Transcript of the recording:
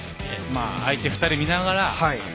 相手２人見ながら。